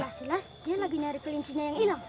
silas silas dia lagi nyari kelincinya yang ilang